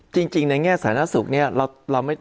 จริงจริงในเกษฐศาสตร์ทรัพยาศาสุขเนี้ยเราเราไม่